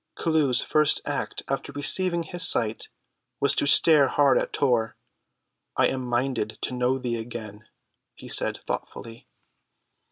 Chelluh's first act after receiving his sight was to stare hard at Tor. "I am minded to know thee again," he said thoughtfully.